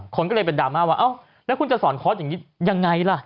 คนก็เลยเป็นดราม่าว่าเอ้าแล้วคุณจะสอนคอร์สอย่างนี้ยังไงล่ะ